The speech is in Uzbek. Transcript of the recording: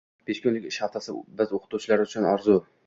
Besh kunlik ish haftasi biz o‘qituvchilar uchun orzu